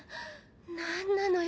何なのよ